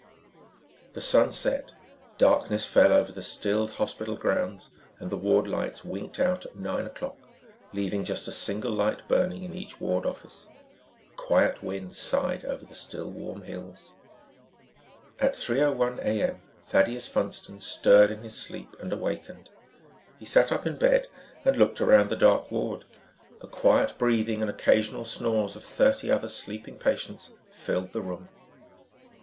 The sun set, darkness fell over the stilled hospital grounds and the ward lights winked out at nine o'clock, leaving just a single light burning in each ward office. A quiet wind sighed over the still warm hills. At 3:01 a.m., Thaddeus Funston stirred in his sleep and awakened. He sat up in bed and looked around the dark ward. The quiet breathing and occasional snores of thirty other sleeping patients filled the room.